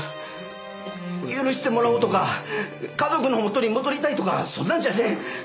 許してもらおうとか家族の元に戻りたいとかそんなんじゃねえ！